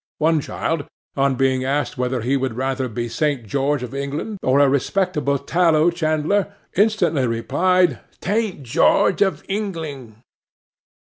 One child, on being asked whether he would rather be Saint George of England or a respectable tallow chandler, instantly replied, "Taint George of Ingling."